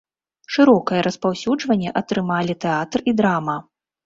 Шырокае распаўсюджванне атрымалі тэатр і драма.